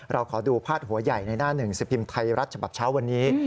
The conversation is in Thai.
เราขอดูพาดหัวใหญ่ในหน้าหนึ่งสิบพิมพ์ไทยรัฐฉบับเช้าวันนี้